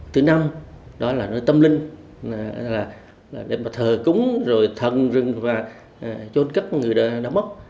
thứ năm đó là nơi tâm linh để mà thờ cúng rồi thần rừng và chôn cất người đàn bốc